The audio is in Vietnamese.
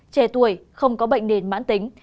trẻ tuổi không có bệnh nền mạng tính